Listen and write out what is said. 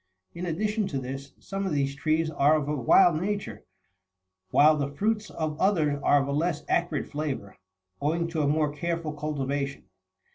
In addition to this, some of these trees are of a wild nature, while the fruits of others are of a less acrid flavour, owing to a more careful cultivation.